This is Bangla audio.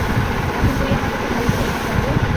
এখন তুই আমার কথা ভালো করে শোন, গাঙু।